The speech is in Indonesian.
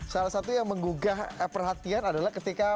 salah satu yang menggugah perhatian adalah ketika